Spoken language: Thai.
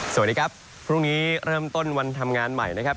สวัสดีครับพรุ่งนี้เริ่มต้นวันทำงานใหม่นะครับ